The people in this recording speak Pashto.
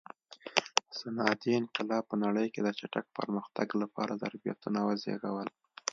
صنعتي انقلاب په نړۍ کې د چټک پرمختګ لپاره ظرفیتونه وزېږول.